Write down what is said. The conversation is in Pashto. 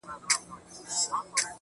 چي وايي_